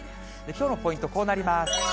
きょうのポイント、こうなります。